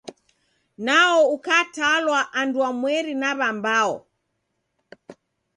Nao ukatalwa andwamweri na w'ambao.